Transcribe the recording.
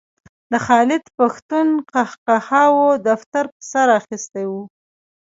د خالد پښتون قهقهاوو دفتر په سر اخیستی و.